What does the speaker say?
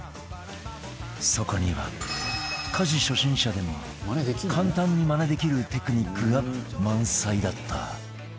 そこには家事初心者でも簡単にマネできるテクニックが満載だった